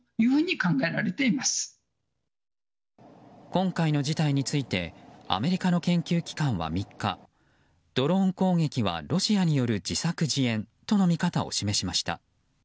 今回の事態についてアメリカの研究機関は３日、ドローン攻撃はロシアによる自作自演との見方を示しました。